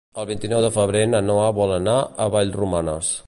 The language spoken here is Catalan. El vint-i-nou de febrer na Noa vol anar a Vallromanes.